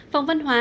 phòng văn hóa